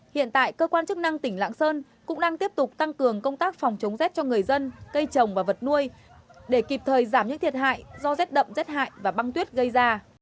hiện tại cơ quan chức năng tỉnh lạng sơn cũng đang tiếp tục tăng cường công tác phòng chống rét cho người dân cây trồng và vật nuôi để kịp thời giảm những thiệt hại do rét đậm rét hại và băng tuyết gây ra